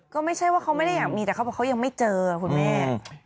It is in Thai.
ก็ไม่ใช่ว่าเขาไม่ได้อยากมีแต่เขาบอกเขายังไม่เจอคุณแม่